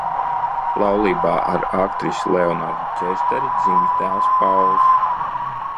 Laulībā ar aktrisi Leonardu Ķesteri dzimis dēls Pauls.